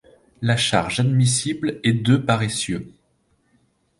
La charge admissible est de par essieu.